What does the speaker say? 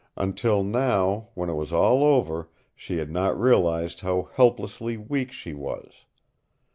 Until now, when it was all over, she had not realized how helplessly weak she was.